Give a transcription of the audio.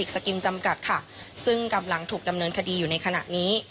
สกิมจำกัดค่ะซึ่งกำลังถูกดำเนินคดีอยู่ในขณะนี้